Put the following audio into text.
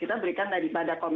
kita berikan daripada komnas